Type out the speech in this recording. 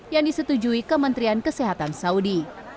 yang disetujui kementerian kesehatan saudi